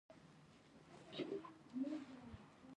جګړه د عدالت پر ځای ظلم راولي